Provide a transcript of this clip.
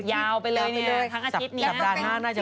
ยาวไปเลยเนี้ยทั้งอาทิตย์เนี้ย